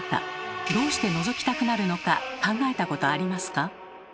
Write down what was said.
どうしてのぞきたくなるのか考えたことありますか？